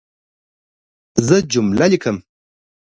زه جمله لیکم.